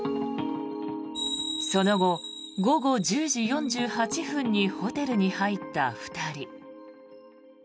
その後、午後１０時４８分にホテルに入った２人。